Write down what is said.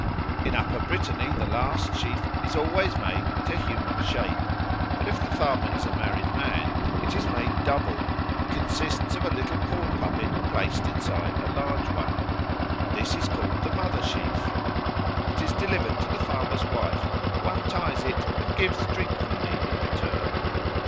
In Upper Brittany the last sheaf is always made into human shape; but if the farmer is a married man, it is made double and consists of a little corn puppet placed inside of a large one. This is called the Mother sheaf. It is delivered to the farmer's wife, who unties it and gives drink money in return.